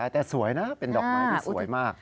แต่สวยนะเป็นดอกไม้ที่สวยมาก